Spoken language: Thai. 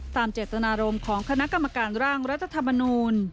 ตามเจตนารมณ์ของคณะกรรมการร่างรัฐธรรมนูล